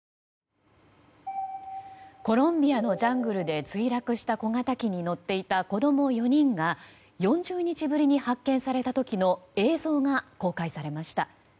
コロンビアのジャングルに墜落した小型機に乗っていた子供４人が４０日ぶりに発見された時の映像が公開されました。